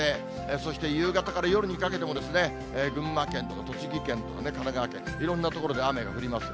そして夕方から夜にかけてもですね、群馬県とか栃木県とかね、神奈川県、いろんな所で雨が降ります。